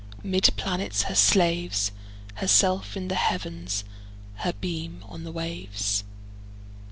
'Mid planets her slaves, Herself in the Heavens, Her beam on the waves.